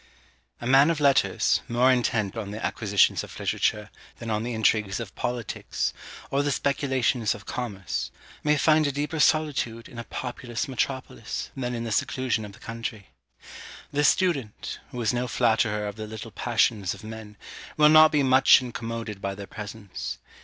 A man of letters, more intent on the acquisitions of literature than on the intrigues of politics, or the speculations of commerce, may find a deeper solitude in a populous metropolis than in the seclusion of the country. The student, who is no flatterer of the little passions of men, will not be much incommoded by their presence.